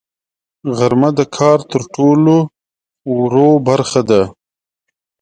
غرمه د کار تر ټولو وروه برخه ده